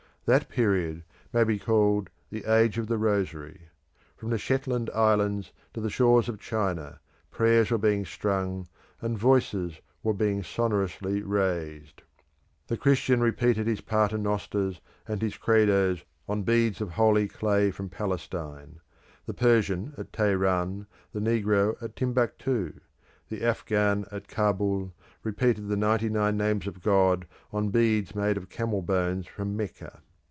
That period may be called The Age of the Rosary. From the Shetland Islands to the shores of China, prayers were being strung, and voices were being sonorously raised. The Christian repeated his Paternosters and his credos on beads of holy clay from Palestine; the Persian at Teheran, the negro at Timbuctoo; the Afghan at Kabul, repeated the ninety nine names of God on beads made of camel bones from Mecca.